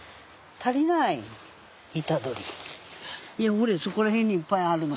ほれそこら辺にいっぱいあるの。